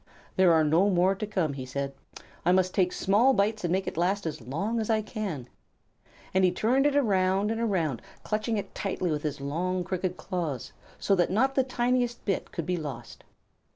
"There are no more to come," he said. "I must take small bites and make it last as long as I can." And he turned it around and around, clutching it tightly with his long, crooked claws, so that not the tiniest bit could be lost.